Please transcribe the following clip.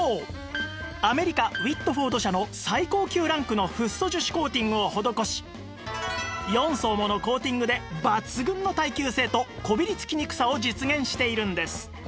アメリカウィットフォード社の最高級ランクのフッ素樹脂コーティングを施し４層ものコーティングで抜群の耐久性とこびりつきにくさを実現しているんです